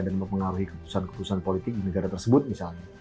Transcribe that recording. dan mempengaruhi keputusan keputusan politik negara tersebut misalnya